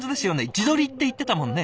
自撮りって言ってたもんね？